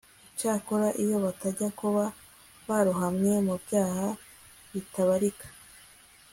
icyakora, iyo batajya kuba baroramye mu byaha bitabarika